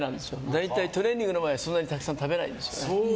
大体、トレーニングの前はそんなにたくさん食べないんですね。